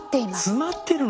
詰まってるの！？